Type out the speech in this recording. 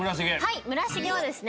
はい村重はですね